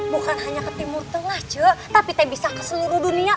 bukan hanya ke timur tengah jo tapi tak bisa ke seluruh dunia